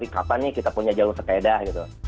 kapan nih kita punya jalur sepeda gitu